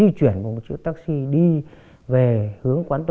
ở quán chị không